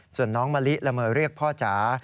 ส่วนน้องมะลิละเมอเรียกพ่อจ๋า